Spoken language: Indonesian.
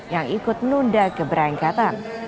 yang ikut menunda keberangkatan